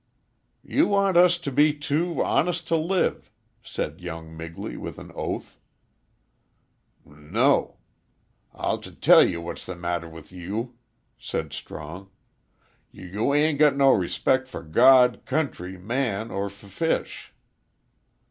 "You want us to be too honest to live," said young Migley, with an oath. "N no. I'll t tell ye what's the matter with y you," said Strong. "Y you 'ain't got no r res pec' fer God, country, man, er f fish."